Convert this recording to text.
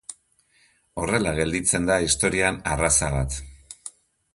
Horrela gelditzen da historian arraza bat.